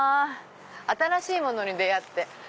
新しいものに出会って。